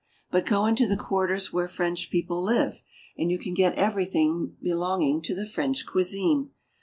But go into the quarters where French people live, and you can get everything belonging to the French cuisine.